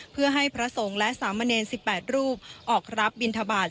เพื่อให้พระสงค์และสามเมรินสิบแปดรูปออกรับบิณฑบาต